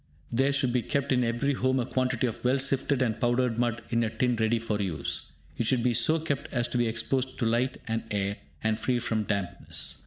There should be kept in every home a quantity of well sifted and powdered mud in a tin ready for use. It should be so kept as to be exposed to light and air, and free from dampness.